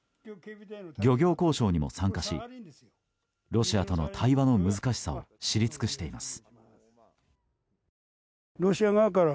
漁業交渉にも参加しロシアとの対話の難しさを知り尽くしています。